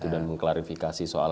dan mengklarifikasi soal